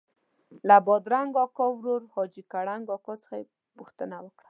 له بادرنګ اکا ورور حاجي کړنګ اکا څخه پوښتنه وکړه.